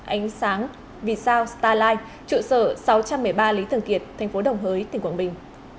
ánh sáng vì sao starline trụ sở sáu trăm một mươi ba lý thường kiệt tp đồng hới tp quảng bình